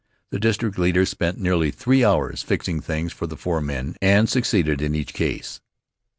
The district leader spent nearly three hours fixing things for the four men, and succeeded in each case.